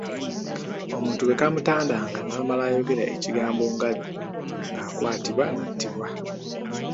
Omuntu bwe kaamutandanga n'amala ayogera ekigambo ngabi, ng'akwatibwa n'attibwa.